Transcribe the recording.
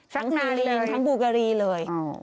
ทั้งซีรีนทั้งบุกรีเลย